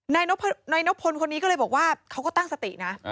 นายนพลคนนี้ก็เลยบอกว่าเขาก็ตั้งสตินะ